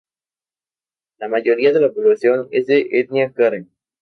La mayoría de la población es de etnia karen.